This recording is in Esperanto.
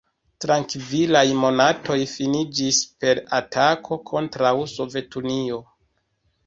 Trankvilaj monatoj finiĝis per atako kontraŭ Sovetunio.